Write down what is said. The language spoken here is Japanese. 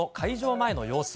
前の様子。